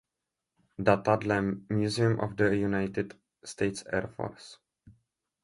Data dle "Museum of the United States Air Force"